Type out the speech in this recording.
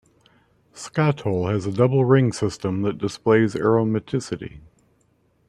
Skatole has a double ring system that displays aromaticity.